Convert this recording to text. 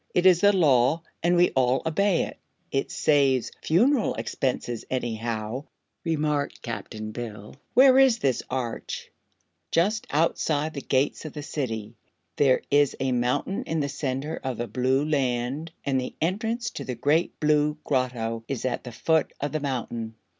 It is the Law, and we all obey it." "It saves funeral expenses, anyhow," remarked Cap'n Bill. "Where is this Arch?" "Just outside the gates of the City. There is a mountain in the center of the Blue land, and the entrance to the Great Blue Grotto is at the foot of the mountain.